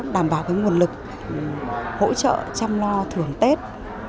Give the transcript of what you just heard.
đảm bảo nguồn lực hỗ trợ chăm lo thưởng tết